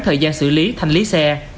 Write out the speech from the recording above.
thời gian xử lý thành lý xe